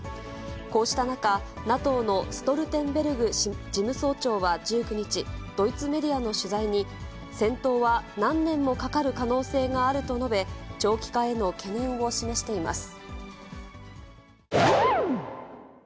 こうした中、ＮＡＴＯのストルテンベルグ事務総長は１９日、ドイツメディアの取材に、戦闘は何年もかかる可能性があると述べ、長期化への懸念を示しています。